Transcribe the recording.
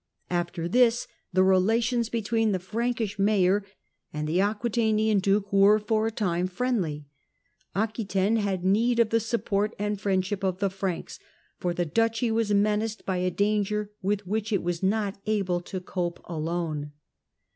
After this the relations between the Frankish mayor and the Aquetanian duke were for a time friendly. Aquetaine had need of the support and friendship of the Franks, for the duchy was menaced by a danger with which it was not able to cope alone.